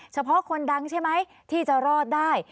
เฉพาะคนดังใช่ไหมที่จะรอดได้